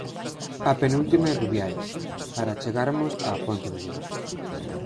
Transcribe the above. A penúltima en Rubiaes, para achegarnos á ponte medieval.